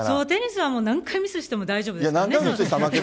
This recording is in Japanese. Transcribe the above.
テニスは何回ミスしても大丈夫ですからね。